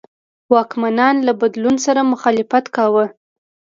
واکمنان له بدلون سره مخالفت کاوه.